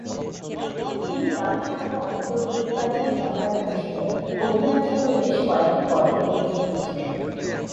তিনি জাতিসংঘ অন্তর্বর্তীকালীন সহায়তা মিশনে অধিনায়ক সহ বেশ কয়েকটি পদে অধিষ্ঠিত ছিলেন।